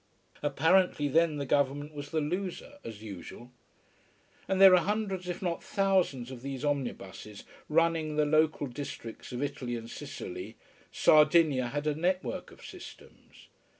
Apparently then the government was the loser, as usual. And there are hundreds, if not thousands of these omnibuses running the lonely districts of Italy and Sicily Sardinia had a network of systems.